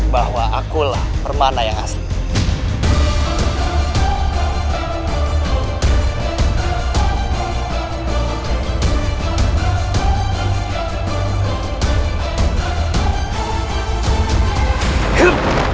bahwa akulah permana yang asli